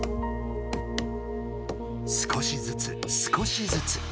少しずつ少しずつ。